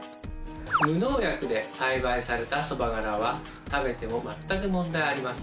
無農薬で栽培されたそば殻は食べてもまったく問題ありません。